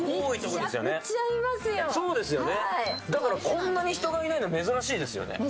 こんなに人がいないの珍しいですよね。